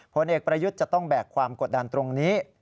ผลเอกประยุทธ์จะต้องแบกความกดดันตรงนี้